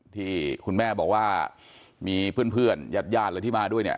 ที่คุณแม่บอกว่ามีเพื่อนยาดแล้วที่มาด้วยเนี่ย